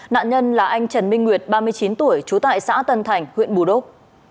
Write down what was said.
nạn nhân là anh trần minh nguyệt ba mươi chín tuổi trú tại xã tân thành huyện bù đốc